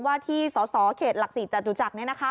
วาฒีสอเขตหลักศรีจตุจักรนี่นะคะ